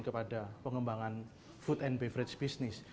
kepada pengembangan food and beverage business